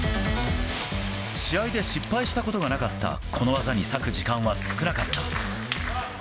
試合で失敗したことがなかったこの技に割く時間は少なかった。